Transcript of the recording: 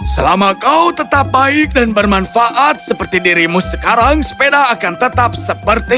selama kau tetap baik dan bermanfaat seperti dirimu sekarang sepeda akan tetap seperti